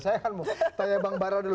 saya mau tanya bang barra dulu